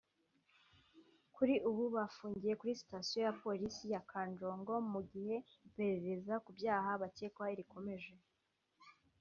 Kuri ubu bafungiye kuri Sitasiyo ya Polisi ya Kanjongo mu gihe iperereza ku byaha bacyekwaho rikomeje